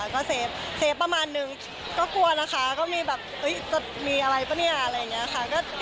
ก็เซฟประมาณนึงก็กลัวนะคะก็มีแบบจะมีอะไรป่ะเนี่ยอะไรอย่างนี้ค่ะ